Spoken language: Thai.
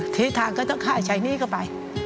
ทิศทางก็ต้องฆ่าชายนี้ก็ไป